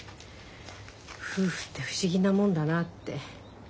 夫婦って不思議なもんだなって。